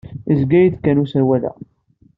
Yezga-yi-d kan userwal-a.